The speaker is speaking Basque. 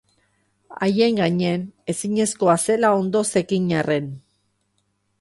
Haien gainean, ezinezkoa zela ondo zekien arren.